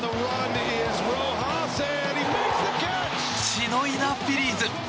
しのいだフィリーズ。